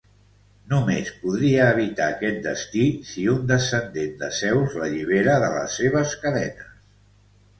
Només podria evitar aquest destí si un descendent de Zeus l'allibera de les seves cadenes.